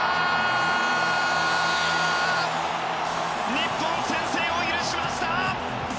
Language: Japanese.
日本先制を許しました！